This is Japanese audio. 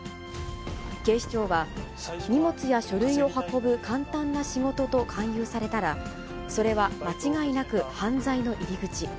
警視庁は、荷物や書類を運ぶ簡単な仕事と勧誘されたら、それは間違いなく犯罪の入り口。